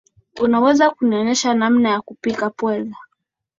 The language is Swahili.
Unaweza kunionyesha namna ya kupika pweza?